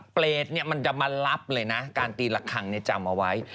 เปรตเนี่ยมันจะมารับเลยนะการตีหลักขังเนี่ยจำเอาไว้